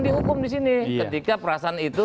dihukum disini ketika perasaan itu